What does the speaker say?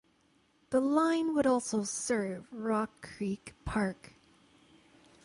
The line would also serve Rock Creek Park.